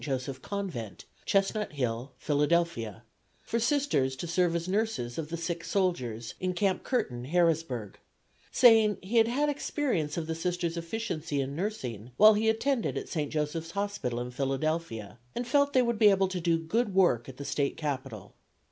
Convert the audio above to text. Joseph Convent, Chestnut Hill, Philadelphia, for Sisters to serve as nurses of the sick soldiers in Camp Curtin, Harrisburg, saying he had had experience of the Sisters' efficiency in nursing while he attended at St. Joseph's Hospital in Philadelphia, and felt they would be able to do good work at the State Capital.